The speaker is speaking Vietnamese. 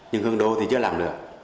nhưng hương đô thì chưa làm được